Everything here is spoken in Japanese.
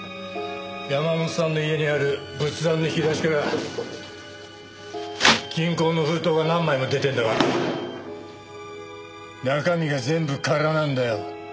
山本さんの家にある仏壇の引き出しから銀行の封筒が何枚も出てんだが中身が全部空なんだよ。